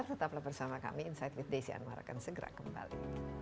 tetaplah bersama kami insight with desi anwar akan segera kembali